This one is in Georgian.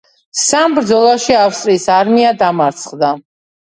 სამ ბრძოლაში ავსტრიის არმია დამარცხდა.